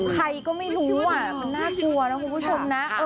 ใครก็ไม่รู้มันน่ากลัวนะคุณผู้ชมนะ